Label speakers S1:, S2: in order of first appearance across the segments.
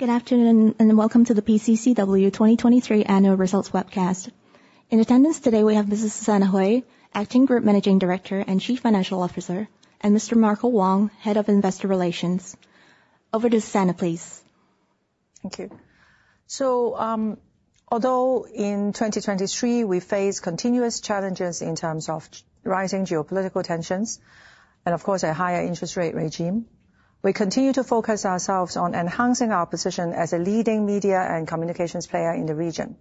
S1: Good afternoon and welcome to the PCCW 2023 Annual Results Webcast. In attendance today we have Mrs. Susanna Hui, Acting Group Managing Director and Chief Financial Officer, and Mr. Marco Wong, Head of Investor Relations. Over to Susanna, please.
S2: Thank you. So, although in 2023 we face continuous challenges in terms of rising geopolitical tensions and, of course, a higher interest rate regime, we continue to focus ourselves on enhancing our position as a leading media and communications player in the region.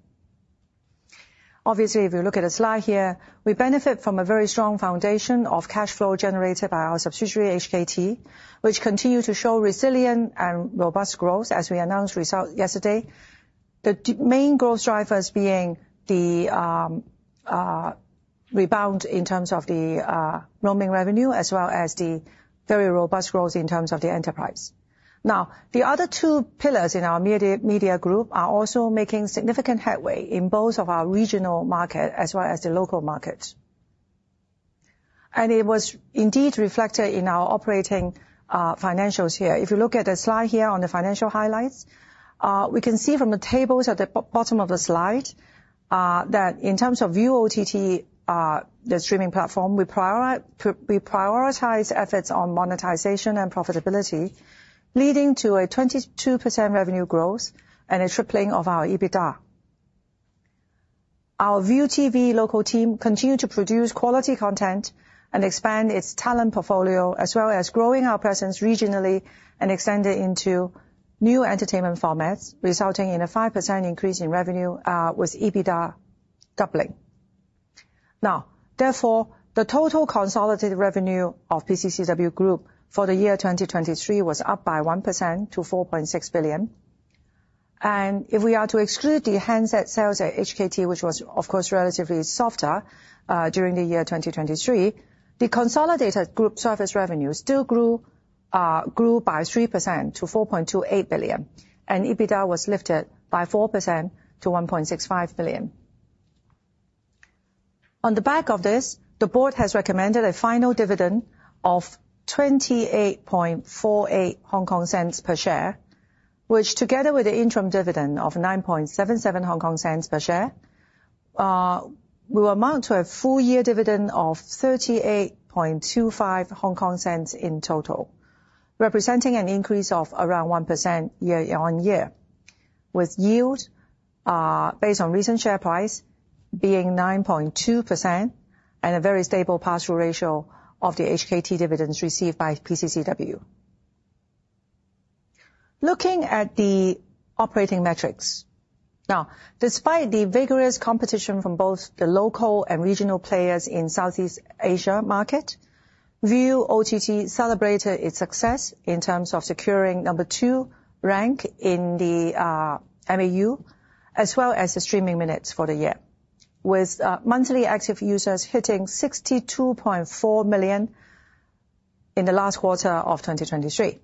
S2: Obviously, if you look at the slide here, we benefit from a very strong foundation of cash flow generated by our subsidiary HKT, which continue to show resilient and robust growth as we announced results yesterday. The main growth drivers being the rebound in terms of the roaming revenue, as well as the very robust growth in terms of the enterprise. Now, the other two pillars in our media group are also making significant headway in both of our regional markets as well as the local markets. It was indeed reflected in our operating financials here. If you look at the slide here on the financial highlights, we can see from the tables at the bottom of the slide, that in terms of Viu, the streaming platform, we prioritize efforts on monetization and profitability, leading to a 22% revenue growth and a tripling of our EBITDA. Our ViuTV local team continue to produce quality content and expand its talent portfolio, as well as growing our presence regionally and extending into new entertainment formats, resulting in a 5% increase in revenue, with EBITDA doubling. Now, therefore, the total consolidated revenue of PCCW Group for the year 2023 was up by 1% to $4.6 billion. And if we are to exclude the handset sales at HKT, which was, of course, relatively softer, during the year 2023, the consolidated group service revenue still grew by 3% to $4.28 billion. EBITDA was lifted by 4% to 1.65 billion. On the back of this, the board has recommended a final dividend of 28.48 HKD per share, which, together with the interim dividend of 9.77 HKD per share, will amount to a full-year dividend of 38.25 HKD in total, representing an increase of around 1% year-on-year, with yield, based on recent share price, being 9.2% and a very stable partial ratio of the HKT dividends received by PCCW. Looking at the operating metrics now, despite the vigorous competition from both the local and regional players in the Southeast Asia market, Viu celebrated its success in terms of securing number two rank in the MAU, as well as the streaming minutes for the year, with monthly active users hitting 62.4 million in the last quarter of 2023.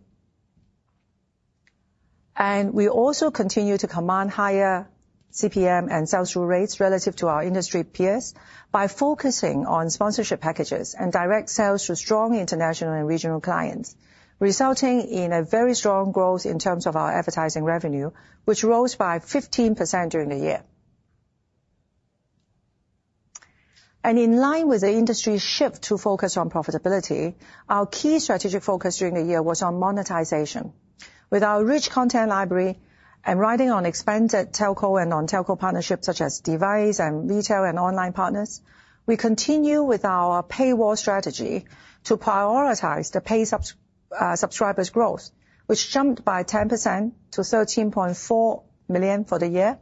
S2: We also continue to command higher CPM and sell-through rates relative to our industry peers by focusing on sponsorship packages and direct sales to strong international and regional clients, resulting in a very strong growth in terms of our advertising revenue, which rose by 15% during the year. In line with the industry's shift to focus on profitability, our key strategic focus during the year was on monetization. With our rich content library and riding on expanded telco and non-telco partnerships, such as device and retail and online partners, we continue with our paywall strategy to prioritize the pay subs subscribers' growth, which jumped by 10% to 13.4 million for the year.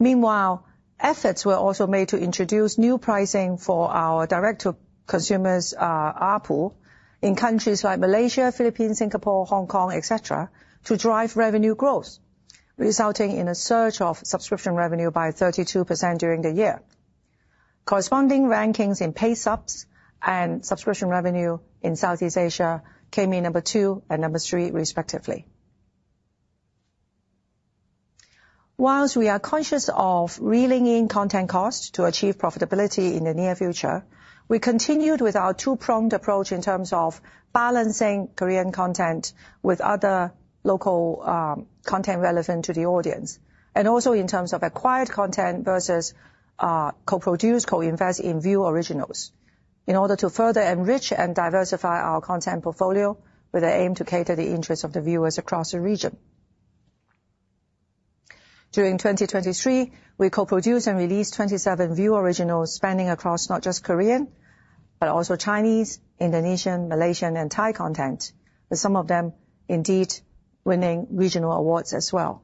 S2: Meanwhile, efforts were also made to introduce new pricing for our direct-to-consumers RPU in countries like Malaysia, Philippines, Singapore, Hong Kong, etc., to drive revenue growth, resulting in a surge of subscription revenue by 32% during the year. Corresponding rankings in pay subs and subscription revenue in Southeast Asia came in number two and number three, respectively. While we are conscious of reeling in content costs to achieve profitability in the near future, we continued with our two-pronged approach in terms of balancing Korean content with other local content relevant to the audience, and also in terms of acquired content versus co-produce, co-invest in Viu Originals in order to further enrich and diversify our content portfolio with the aim to cater the interests of the viewers across the region. During 2023, we co-produced and released 27 Viu Originals spanning across not just Korean, but also Chinese, Indonesian, Malaysian, and Thai content, with some of them indeed winning regional awards as well.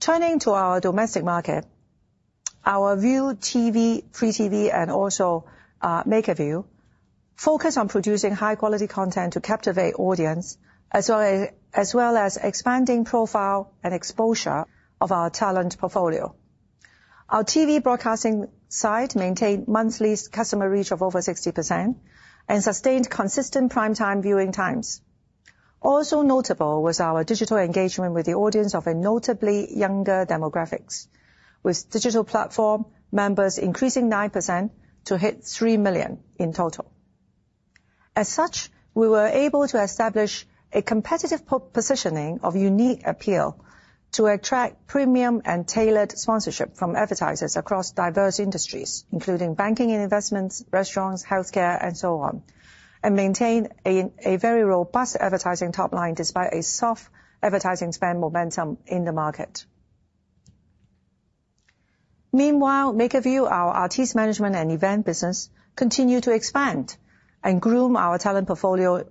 S2: Turning to our domestic market, our ViuTV, Free TV, and also, MakerVille focus on producing high-quality content to captivate audiences, as well as expanding profile and exposure of our talent portfolio. Our TV broadcasting site maintained monthly customer reach of over 60% and sustained consistent primetime viewing times. Also notable was our digital engagement with the audience of a notably younger demographics, with digital platform members increasing 9% to hit 3 million in total. As such, we were able to establish a competitive positioning of unique appeal to attract premium and tailored sponsorship from advertisers across diverse industries, including banking and investments, restaurants, healthcare, and so on, and maintain a very robust advertising top line despite a soft advertising spend momentum in the market. Meanwhile, MakerVille, our artist management and event business, continued to expand and groom our talent portfolio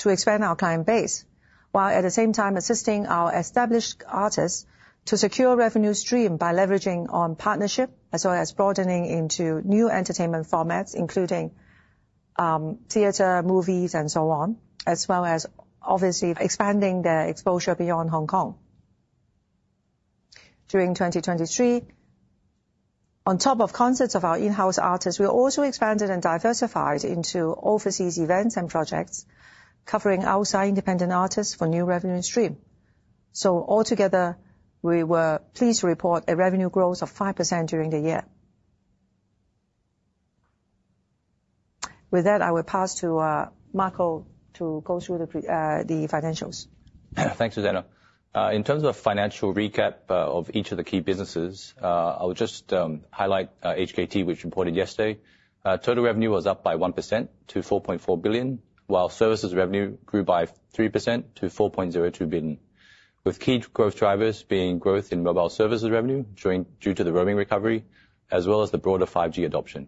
S2: to expand our client base, while at the same time assisting our established artists to secure revenue streams by leveraging on partnership, as well as broadening into new entertainment formats, including theater, movies, and so on, as well as, obviously, expanding their exposure beyond Hong Kong. During 2023, on top of concerts of our in-house artists, we also expanded and diversified into overseas events and projects, covering outside independent artists for new revenue streams. So, altogether, we were pleased to report a revenue growth of 5% during the year. With that, I will pass to Marco to go through the financials.
S3: Thanks, Susanna. In terms of financial recap of each of the key businesses, I will just highlight HKT, which reported yesterday. Total revenue was up by 1% to $4.4 billion, while services revenue grew by 3% to 4.02 billion, with key growth drivers being growth in mobile services revenue during due to the roaming recovery, as well as the broader 5G adoption,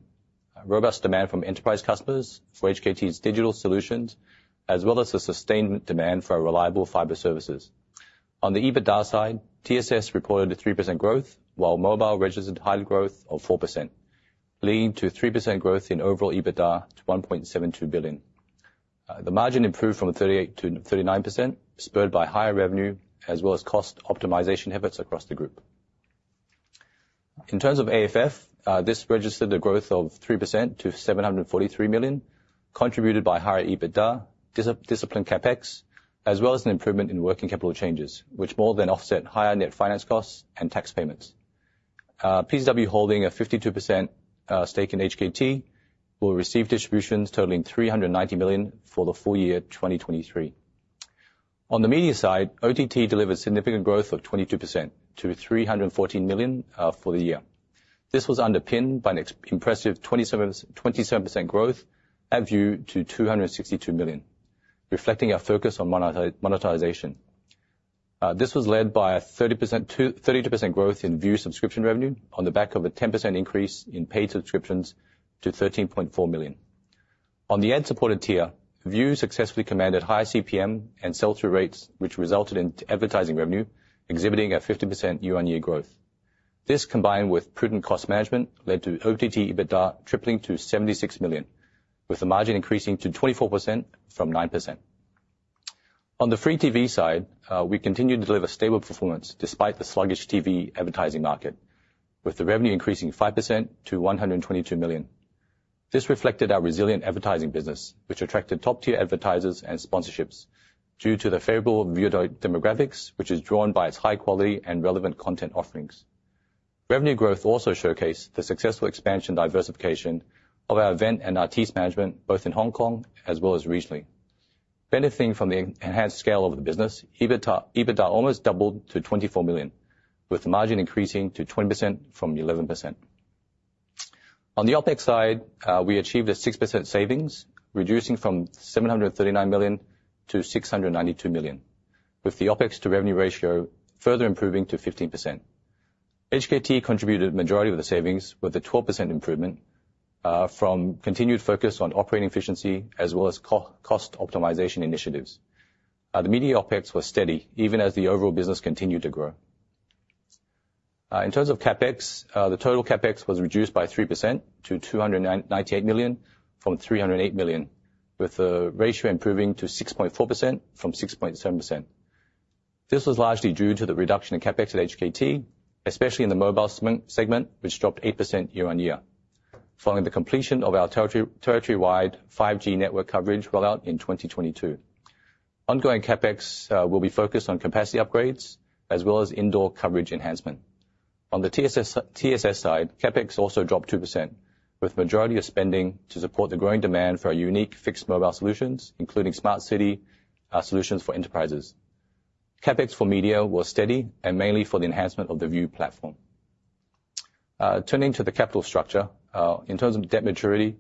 S3: robust demand from enterprise customers for HKT's digital solutions, as well as the sustained demand for reliable fiber services. On the EBITDA side, TSS reported a 3% growth, while mobile registered higher growth of 4%, leading to 3% growth in overall EBITDA to $1.72 billion. The margin improved from 38%-39%, spurred by higher revenue, as well as cost optimization efforts across the group. In terms of AFF, this registered a growth of 3% to 743 million, contributed by higher EBITDA, disciplined Capex, as well as an improvement in working capital changes, which more than offset higher net finance costs and tax payments. PCCW holding a 52% stake in HKT will receive distributions totaling 390 million for the full year 2023. On the media side, OTT delivered significant growth of 22% to 314 million for the year. This was underpinned by an impressive 27% growth at Viu to 262 million, reflecting our focus on monetization. This was led by a 30%-32% growth in Viu subscription revenue on the back of a 10% increase in paid subscriptions to 13.4 million. On the ad-supported tier, Viu successfully commanded higher CPM and sell-through rates, which resulted in advertising revenue exhibiting a 50% year-on-year growth. This, combined with prudent cost management, led to OTT EBITDA tripling to 76 million, with the margin increasing to 24% from 9%. On the Free TV side, we continued to deliver stable performance despite the sluggish TV advertising market, with the revenue increasing 5% to 122 million. This reflected our resilient advertising business, which attracted top-tier advertisers and sponsorships due to the favorable Viu demographics, which is drawn by its high-quality and relevant content offerings. Revenue growth also showcased the successful expansion and diversification of our event and artist management, both in Hong Kong as well as regionally. Benefiting from the enhanced scale of the business, EBITDA almost doubled to 24 million, with the margin increasing to 20% from 11%. On the Opex side, we achieved a 6% savings, reducing from 739 million to 692 million, with the Opex to revenue ratio further improving to 15%. HKT contributed the majority of the savings, with a 12% improvement, from continued focus on operating efficiency as well as cost optimization initiatives. The media Opex was steady, even as the overall business continued to grow. In terms of Capex, the total Capex was reduced by 3% to 298 million from 308 million, with the ratio improving to 6.4% from 6.7%. This was largely due to the reduction in Capex at HKT, especially in the mobile segment, which dropped 8% year-on-year, following the completion of our territory-wide 5G network coverage rollout in 2022. Ongoing Capex will be focused on capacity upgrades, as well as indoor coverage enhancement. On the TSS side, Capex also dropped 2%, with the majority of spending to support the growing demand for our unique fixed mobile solutions, including smart city solutions for enterprises. Capex for media was steady, and mainly for the enhancement of the Viu platform. Turning to the capital structure, in terms of debt maturity,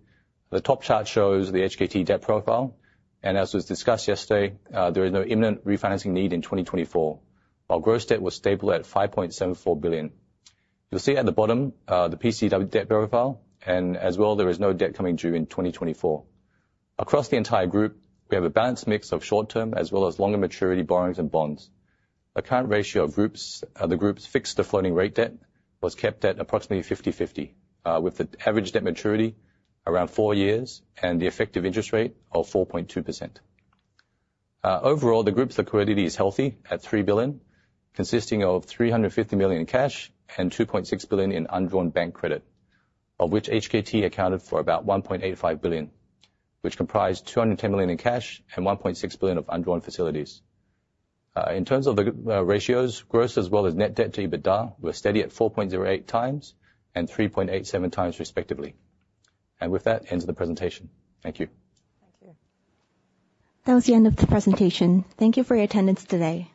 S3: the top chart shows the HKT debt profile, and as was discussed yesterday, there is no imminent refinancing need in 2024, while gross debt was stable at $5.74 billion. You will see at the bottom the PCCW debt profile, and as well, there is no debt coming due in 2024. Across the entire group, we have a balanced mix of short-term as well as longer maturity borrowings and bonds. The current ratio of the group's fixed to floating rate debt was kept at approximately 50/50, with the average debt maturity around four years and the effective interest rate of 4.2%. Overall, the group's liquidity is healthy at $3 billion, consisting of $350 million in cash and $2.6 billion in undrawn bank credit, of which HKT accounted for about $1.85 billion, which comprised $210 million in cash and $1.6 billion of undrawn facilities. In terms of the ratios, gross as well as net debt to EBITDA were steady at 4.08 times and 3.87 times, respectively. With that, ends the presentation. Thank you.
S1: Thank you. That was the end of the presentation. Thank you for your attendance today.